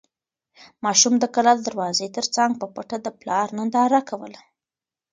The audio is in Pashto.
ماشوم د کلا د دروازې تر څنګ په پټه د پلار ننداره کوله.